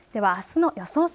では、あすの予想